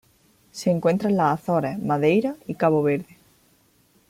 Se encuentra en las Azores, Madeira y Cabo Verde.